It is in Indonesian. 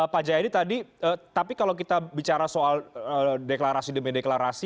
pak jayadi tadi tapi kalau kita bicara soal deklarasi demi deklarasi